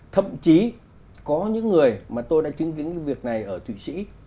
thậm chí có những người mà tôi đã chứng kiến cái việc này ở thủy sĩ